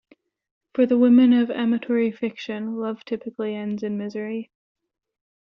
For the women of amatory fiction, love typically ends in misery.